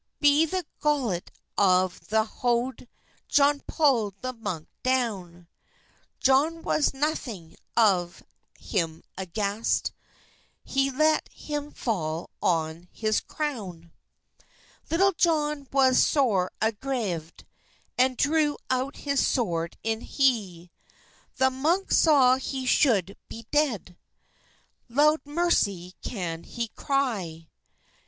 Be the golett of the hode Johne pulled the munke downe; Johne was nothynge of hym agast, He lete hym falle on his crowne. Litulle Johne was sore agrevyd, And drew out his swerde in hye; The munke saw he shulde be ded, Lowd mercy can he crye.